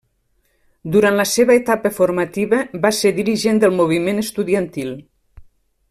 Durant la seva etapa formativa va ser dirigent del moviment estudiantil.